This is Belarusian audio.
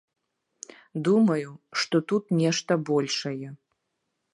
Думаю, што тут нешта большае.